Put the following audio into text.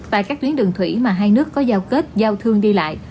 tại các tuyến đường thủy mà hai nước có giao kết giao thương đi lại